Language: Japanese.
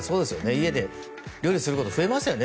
家で料理すること増えましたよね。